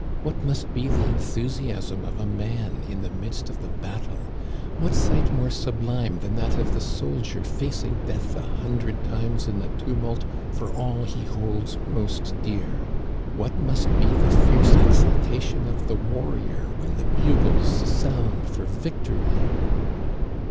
What must be the enthusiasm of a man in the midst of the battle ! What sight more sublime than that of the soldier facing death a hundred times in the tumult for all he holds most dear ! What 16 Digitized by VjOOQIC 242 THE CANADIANS OF OLD. must be the fierce exultation of the warrior when the bugles sound for victory